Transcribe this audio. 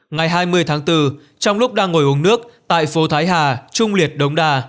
ngày hai mươi tháng bốn trong lúc đang ngồi uống nước tại phố thái hà trung liệt đống đà